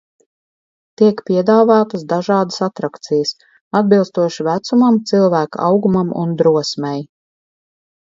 Tiek piedāvātas dažādas atrakcijas, atbilstoši vecumam, cilvēka augumam un drosmei.